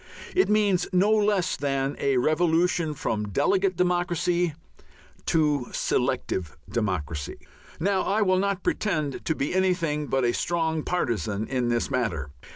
It means no less than a revolution from "delegate democracy" to "selective democracy." Now, I will not pretend to be anything but a strong partizan in this matter.